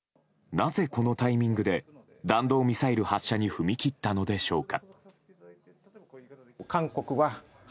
なぜ、このタイミングで弾道ミサイル発射に踏み切ったのでしょうか。